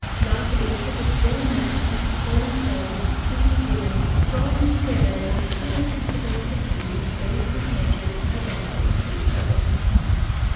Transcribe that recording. Love is, of its very nature, voluntary, freely given, drawing together by an irresistible sympathy those whose natures are adapted to each other.